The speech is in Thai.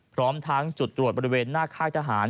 พร้อมทั้งจุดตรวจบริเวณหน้าค่ายทหาร